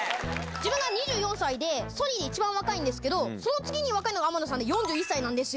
自分が２４歳で、ソニーで一番若いんですけど、その次に若いのが天野さんで、４１歳なんですよ。